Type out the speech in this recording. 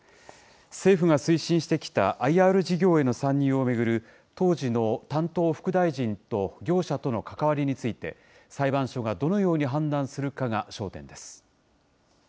政府が推進してきたＩＲ事業への参入を巡る、当時の担当副大臣と業者との関わりについて、裁判所がどのように判断するかが焦点です。